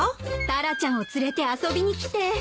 タラちゃんを連れて遊びに来て。